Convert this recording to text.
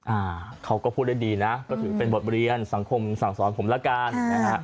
อ่าเขาก็พูดได้ดีนะก็ถือเป็นบทเรียนสังคมสั่งสอนผมแล้วกันนะฮะ